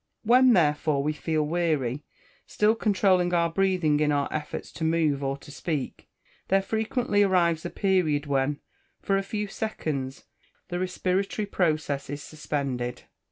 When, therefore, we feel weary still controuling our breathing in our efforts to move or to speak there frequently arrives a period when, for a few seconds, the respiratory process is suspended.